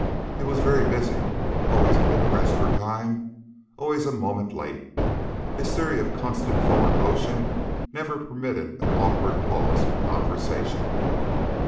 He was very busy, always a bit pressed for time, always a moment late; his theory of constant forward motion never permitted an awkward pause in conversation.